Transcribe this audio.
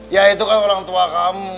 ya itu kan orang tua kamu